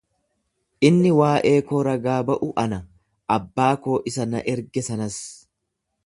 Inni waa'ee koo ragaa ba'u ana, abbaa koo isa na erge sanas.